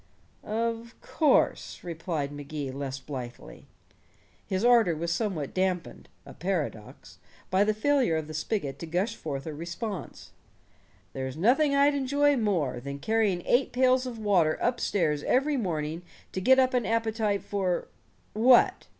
"Of course," replied Magee less blithely. His ardor was somewhat dampened a paradox by the failure of the spigot to gush forth a response. "There's nothing I'd enjoy more than carrying eight pails of water up stairs every morning to get up an appetite for what?